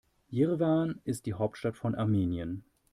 Jerewan ist die Hauptstadt von Armenien.